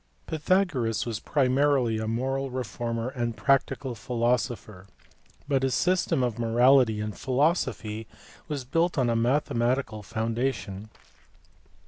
Pythagoras was primarily a moral reformer and practical philosopher, but his system of morality and philosophy was built on a mathematical foundation.